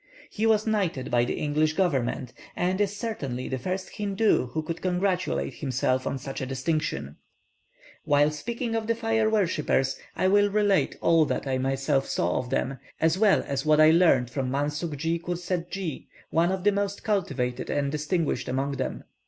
He was knighted by the English government, and is certainly the first Hindoo who could congratulate himself on such a distinction. While speaking of the Fire worshippers, I will relate all that I myself saw of them, as well as what I learnt from Manuckjee Cursetjee, one of the most cultivated and distinguished among them.